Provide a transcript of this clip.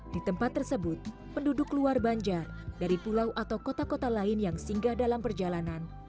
di tempat tersebut penduduk luar banjar dari pulau atau kota kota lain yang singgah dalam perjalanan